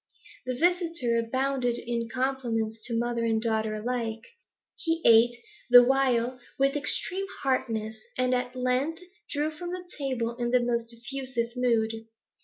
The visitor abounded in compliments to mother and daughter alike. He ate, the while, with extreme heartiness, and at length drew from the table in the most effusive mood.